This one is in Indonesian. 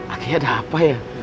aki ada apa ya